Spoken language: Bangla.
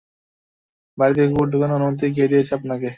বাড়িতে কুকুর ঢোকানোর অনুমতি কে দিয়েছে আপনাকে?